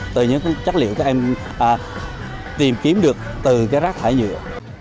từ những chất liệu các em tìm kiếm được từ rác thải nhựa